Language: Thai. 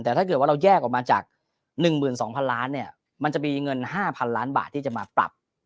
แต่ถ้าเกิดว่าเราแยกออกมาจากหนึ่งหมื่นสองพันล้านเนี่ยมันจะมีเงินห้าพันล้านบาทที่จะมาปรับ